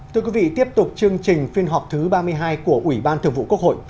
thưa quý vị tiếp tục chương trình phiên họp thứ ba mươi hai của ủy ban thường vụ quốc hội